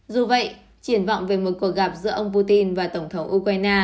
dù vậy triển vọng về một cuộc gặp giữa ông putin và tổng thống ukraine